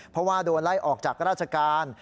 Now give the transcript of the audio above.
เพราะว่าโดนไล่ออกจากราชการ